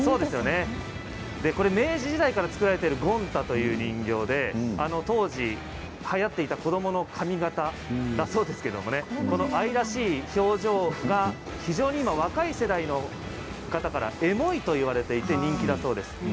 明治時代から作られていてごん太という人形で、当時はやっていた子どもの髪形だそうですけれども愛らしい表情が非常に若い世代の方からエモいと言われていて人気だそうです。